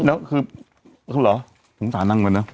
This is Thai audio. แล้วคือคุณหรอสงสัยนั่งกันแล้ว